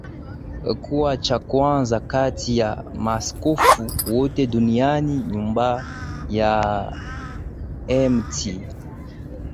kuwa cha kwanza kati ya maaskofu wote duniani Nyumba ya Mt